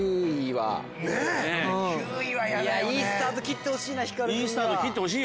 いいスタート切ってほしい。